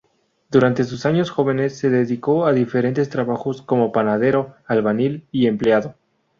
Durante sus años jóvenes se dedicó a diferentes trabajos como panadero, albañil y empleado.